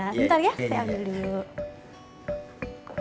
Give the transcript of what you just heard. sebentar ya saya ambil dulu